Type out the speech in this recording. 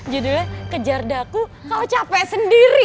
kejar daku kau capek sendiri